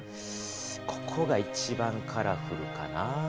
ここが一番カラフルかな？